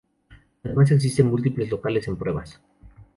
Además, existen múltiples locales en pruebas.